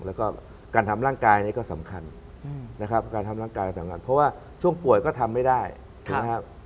แล้วก็การทำร่างกายนี่ก็สำคัญนะครับการทำร่างกายสำคัญเพราะว่าช่วงป่วยก็ทำไม่ได้ถูกไหมครับ